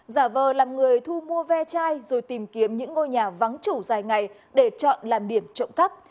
giả vờ làm người thu mua ve chai rồi tìm kiếm những ngôi nhà vắng chủ dài ngày để chọn làm điểm trộm cắp